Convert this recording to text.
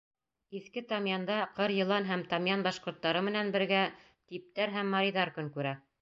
Иҫке Тамъянда ҡыр-йылан һәм тамъян башҡорттары менән бергә типтәр һәм мариҙар көн күрә.